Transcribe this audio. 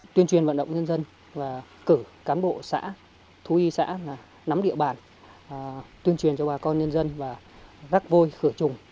tuyên truyền vận động nhân dân và cử cán bộ xã thú y xã nắm địa bàn tuyên truyền cho bà con nhân dân và rắc vôi khử trùng